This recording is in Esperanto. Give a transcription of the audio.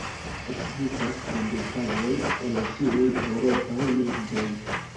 Ekzistas tradukaĵoj en ĉiuj eŭropaj lingvoj.